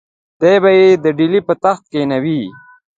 دی به یې د ډهلي پر تخت کښېنوي.